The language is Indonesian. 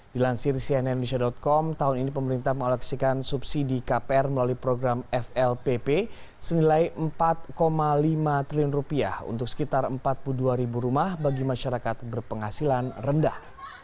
dilansir cnn indonesia com tahun ini pemerintah mengoleksikan subsidi kpr melalui program flpp senilai rp empat lima triliun untuk sekitar empat puluh dua ribu rumah bagi masyarakat berpenghasilan rendah